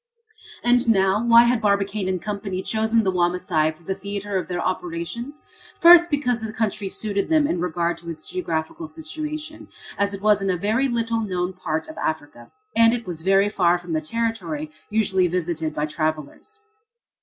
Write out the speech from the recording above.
And now, why had Barbicane & Co. chosen the Wamasai for the theatre of their operations? First, because the country suited them in regard to its geographical situation, as it was in a very little known part of Africa, and as it was very far from the territory usually visited by travellers.